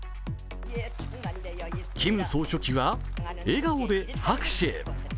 キム総書記は笑顔で拍手。